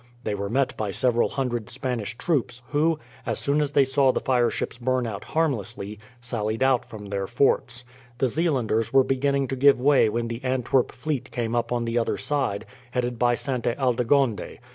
They were met by several hundred Spanish troops, who, as soon as they saw the fireships burn out harmlessly, sallied out from their forts. The Zeelanders were beginning to give way when the Antwerp fleet came up on the other side, headed by Sainte Aldegonde.